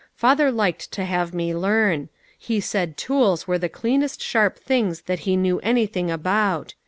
Father liked to have me learn. He said tools were the cleanest sharp things that he knew anything about.